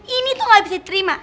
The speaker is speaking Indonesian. ini tuh gak bisa diterima